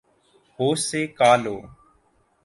ہوش سے کا لو